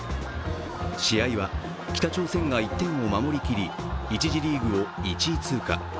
試合は北朝鮮が１点を守りきり１次リーグを１位通過。